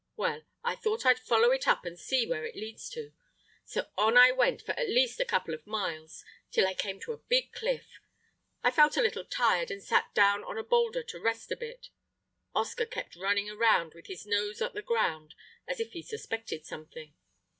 Well, I thought I'd follow it up and see where it leads to; so on I went for at least a couple of miles till I came to a big cliff. I felt a little tired, and sat down on a boulder to rest a bit. Oscar kept running around with his nose at the ground as if he suspected something.